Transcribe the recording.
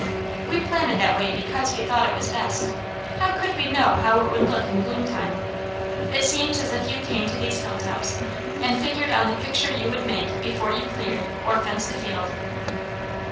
"We planted that way because we thought it was best; how could we know how it would look in bloom time? It seems as if you came to these hilltops and figured on the picture you would make before you cleared, or fenced a field."